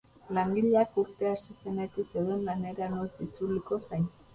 Langileak urtea hasi zenetik zeuden lanera noiz itzuliko zain.